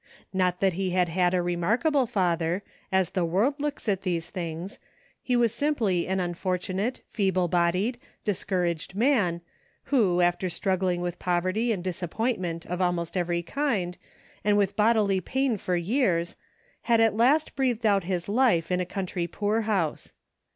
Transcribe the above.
Not that he had had a remarkable father, as the world looks at these things. He was simply an unfortunate, feeble bodied, discouraged man, who, after strug gling with poverty and disappointment of almost every kind, and with bodily pain for years, had at last breathed out his life in a county poorhouse.